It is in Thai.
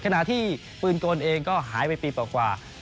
ขณะที่ปืนกลเองก็หายไปปีกว่า